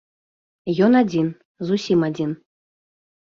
Ён адзін, зусім адзін.